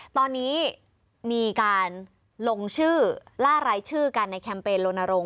ตอนนี้มีการลงชื่อล่ารายชื่อกันในแคมเปญโลนรงค